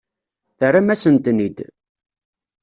Terram-asen-ten-id.